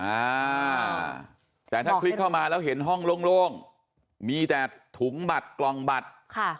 อ่าแต่ถ้าคลิกเข้ามาแล้วเห็นห้องโล่งมีแต่ถุงบัตรกล่องบัตรค่ะ